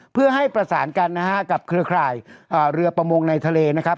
เพื่อให้ประสานกันนะฮะกับเครือข่ายเรือประมงในทะเลนะครับ